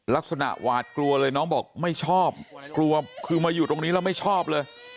หวาดกลัวเลยน้องบอกไม่ชอบกลัวคือมาอยู่ตรงนี้แล้วไม่ชอบเลย